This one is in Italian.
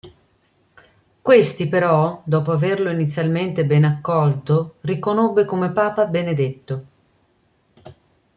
Questi però, dopo averlo inizialmente ben accolto, riconobbe come papa Benedetto.